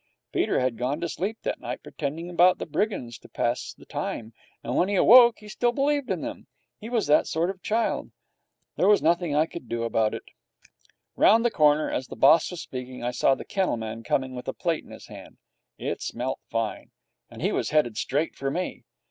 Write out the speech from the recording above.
Peter had gone to sleep that night pretending about the brigands to pass the time, and when he awoke he still believed in them. He was that sort of child. There was nothing that I could do about it. Round the corner, as the boss was speaking, I saw the kennel man coming with a plate in his hand. It smelt fine, and he was headed straight for me.